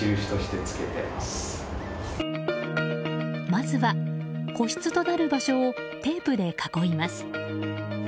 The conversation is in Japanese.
まずは個室となる場所をテープで囲います。